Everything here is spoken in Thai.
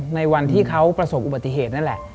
ในวันที่เขาประสบอุบัติเหตุนั่นแหละ